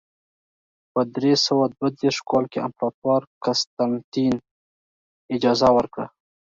په درې سوه دوه دېرش کال کې امپراتور قسطنطین اجازه ورکړه.